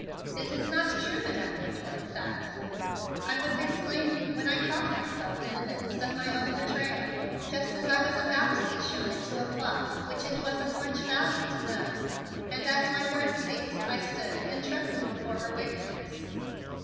"It is not true, Madam Whitworth, that " I was exclaiming when I caught myself in the midst of my own betrayal, just as I was about to be shown into a plot which it was of much value to know. And as my words ceased I stood and trembled before her wickedness.